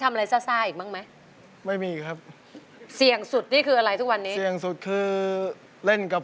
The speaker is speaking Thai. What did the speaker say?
พวกวิดธยุครับพวกทรอนซิสเตอร์อะไรพวกเนี้ยครับ